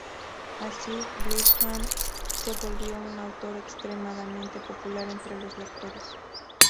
Así, Grisham se volvió un autor extremadamente popular entre los lectores.